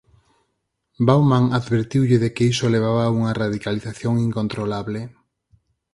Bauman advertiulle de que iso levaba a unha radicalización incontrolable.